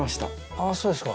ああそうですか。